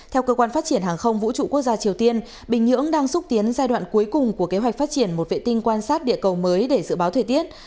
theo cơ quan phát triển hàng không vũ trụ quốc gia triều tiên bình nhưỡng đang xúc tiến giai đoạn cuối cùng của kế hoạch phát triển một vệ tinh quan sát địa cầu mới để dự báo thời tiết